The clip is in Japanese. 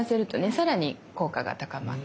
さらに効果が高まって。